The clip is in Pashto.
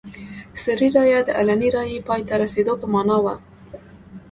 سري رایه د علني رایې پای ته رسېدو په معنا وه.